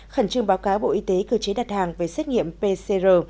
khẩn trương báo cáo bộ y tế cơ chế đặt hàng về xét nghiệm pcr